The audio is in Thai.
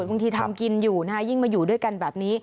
บางทีทำกินอยู่นะฮะยิ่งมาอยู่ด้วยกันแบบนี้